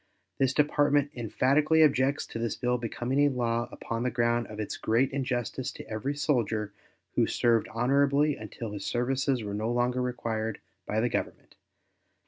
This Department emphatically objects to this bill becoming a law upon the ground of its great injustice to every soldier who served honorably until his services were no longer required by the Government.